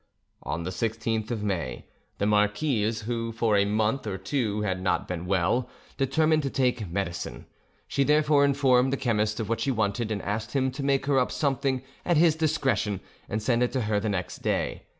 On the 16th of May; the marquise, who for a month or two had not been well, determined to take medicine; she therefore informed the chemist of what she wanted, and asked him to make her up something at his discretion and send it to her the next day.